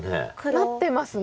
なってますね。